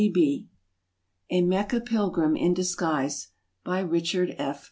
ASIA A Mecca Pilgrim in Disguise By RICHARD F.